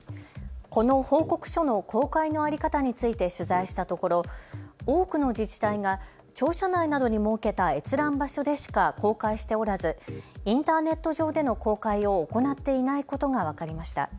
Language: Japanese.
この報告書の公開の在り方について取材したところ多くの自治体が庁舎内などに設けた閲覧場所でしか公開しておらず、インターネット上での公開を行っていないことが分かりました。